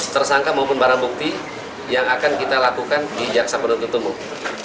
tersangka maupun barang bukti yang akan kita lakukan di jaksa penuntut umum